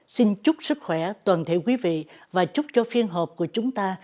xin chúc sức khỏe toàn thể quý vị và chúc cho phiên họp của chúng ta